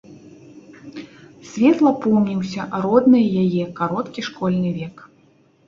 Светла помніўся роднай яе кароткі школьны век.